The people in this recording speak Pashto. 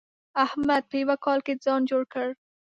احمد په يوه کال کې ځان جوړ کړ.